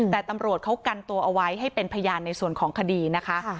แต่ตำรวจเขากันตัวเอาไว้ให้เป็นพยานในส่วนของคดีนะคะ